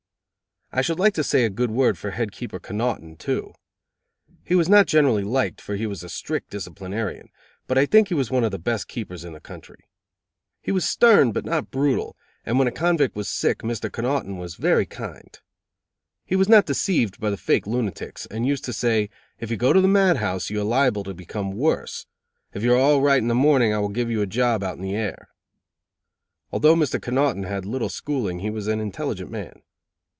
I should like to say a good word for Head Keeper Connoughton, too. He was not generally liked, for he was a strict disciplinarian, but I think he was one of the best keepers in the country. He was stern, but not brutal, and when a convict was sick, Mr. Connoughton was very kind. He was not deceived by the fake lunatics, and used to say: "If you go to the mad house, you are liable to become worse. If you are all right in the morning I will give you a job out in the air." Although Mr. Connoughton had had little schooling he was an intelligent man.